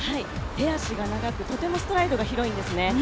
手足が長く、とてもストライドが広いんですね。